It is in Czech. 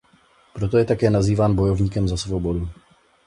Proto je také nazýván bojovníkem za svobodu.